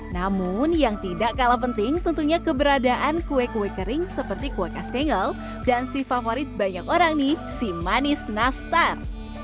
namun yang tidak kalah penting tentunya keberadaan kue kue kering seperti kue kasengal dan si favorit banyak orang nih si manis nastar